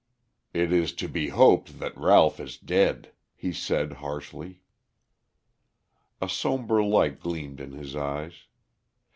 "It is to be hoped that Ralph is dead," he said harshly. A somber light gleamed in his eyes.